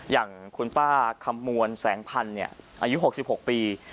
อย่างคุณป้าคำมวลแสงพันธุ์อายุ๖๖ปี